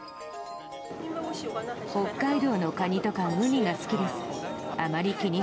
北海道のカニとかウニが好きです。